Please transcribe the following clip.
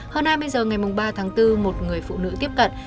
hôm nay bây giờ ngày ba bốn một người phụ nữ tiếp cận